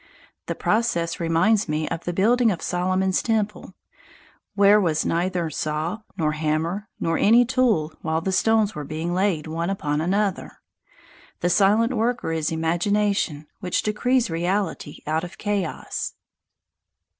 The process reminds me of the building of Solomon's temple, where was neither saw, nor hammer, nor any tool heard while the stones were being laid one upon another. The silent worker is imagination which decrees reality out of chaos.